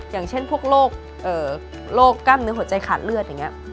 อย่างเช่นพวกโรคก้ำเนื้อหัวใจขาดเลือด